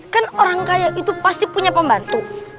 kan orang kaya itu pasti punya pembantu